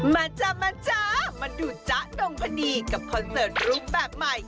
มาจ้ามาจ๊ะมาดูจ๊ะดงพนีกับคอนเสิร์ตรูปแบบใหม่